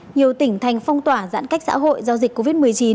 nhiều tỉnh thành phong tỏa giãn cách xã hội do dịch covid một mươi chín